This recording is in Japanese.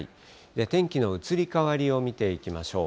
天気の移り変わりを見ていきましょう。